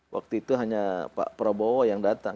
waktu itu hanya pak prabowo yang datang